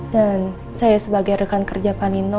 dan saya sebagai rekan kerja pak nino